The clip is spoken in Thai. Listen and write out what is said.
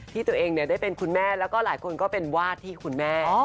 ที่ตัวเองได้เป็นคุณแม่แล้วก็หลายคนก็เป็นวาดที่คุณแม่